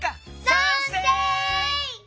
さんせい！